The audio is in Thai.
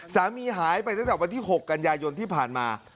สามีหายไปตั้งแต่วันที่๖กันยายนที่ผ่านมา